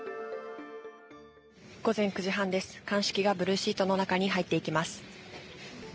午前９時半です鑑識がブルーシートの中に入っていきます。